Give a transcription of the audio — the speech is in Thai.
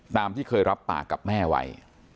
ตามที่เคยรับปากกับแม่ไว้